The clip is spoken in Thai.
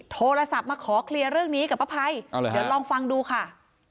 โทรศัพท์มาขอเคลียร์เรื่องนี้กับป้าภัยเดี๋ยวลองฟังดูค่ะ